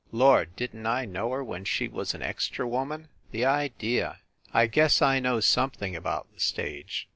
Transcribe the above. Lord, didn t I know her when she was an extra woman ? The idea ! I guess I know something about the stage.